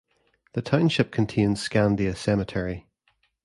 The township contains Scandia Cemetery.